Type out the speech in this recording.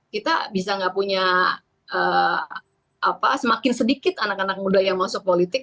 kita bisa nggak punya semakin sedikit anak anak muda yang masuk politik